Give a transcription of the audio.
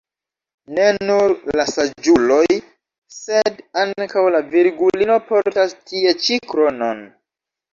Ne nur la saĝuloj sed ankaŭ la Virgulino portas tie ĉi kronon.